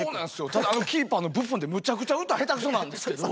ただあのキーパーのブッフォンってむちゃくちゃ歌下手くそなんですけど。